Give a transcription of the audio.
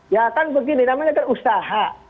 ya kan begini namanya kan usaha